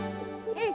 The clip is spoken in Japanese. うん。